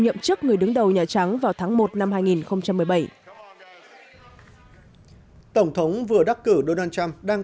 nhậm chức người đứng đầu nhà trắng vào tháng một năm hai nghìn một mươi bảy tổng thống vừa đắc cử donald trump đang